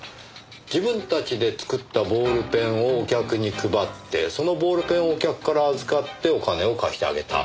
自分たちで作ったボールペンをお客に配ってそのボールペンをお客から預かってお金を貸してあげた。